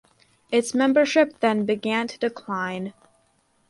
Its membership then began to decline.